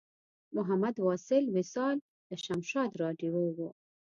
محمد واصل وصال له شمشاد راډیو و.